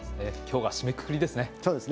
きょうは締めくくりですね。